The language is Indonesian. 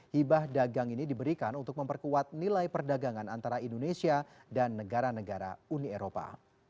hibah dagang ini diberikan untuk memperkuat nilai perdagangan antara indonesia dan negara negara uni eropa